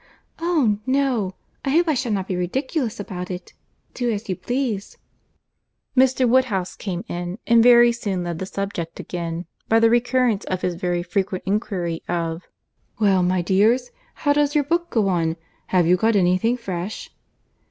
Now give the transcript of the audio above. "Oh! no—I hope I shall not be ridiculous about it. Do as you please." Mr. Woodhouse came in, and very soon led to the subject again, by the recurrence of his very frequent inquiry of "Well, my dears, how does your book go on?—Have you got any thing fresh?"